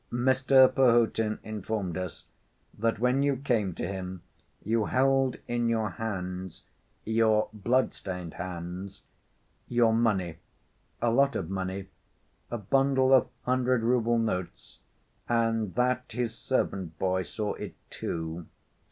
"Mr. Perhotin informed us that when you came to him, you held in your hands ... your blood‐stained hands ... your money ... a lot of money ... a bundle of hundred‐rouble notes, and that his servant‐boy saw it too."